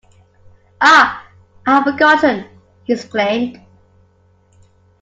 Ah, I had forgotten, he exclaimed.